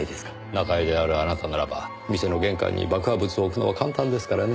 仲居であるあなたならば店の玄関に爆破物を置くのは簡単ですからね。